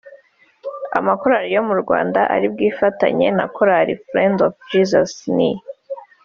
Amakorali yo mu Rwanda ari bwifatanye na korali Friends of Jesus ni